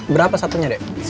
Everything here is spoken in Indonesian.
berapa satunya dek